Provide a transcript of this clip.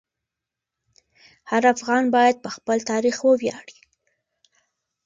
هر افغان باید په خپل تاریخ وویاړي.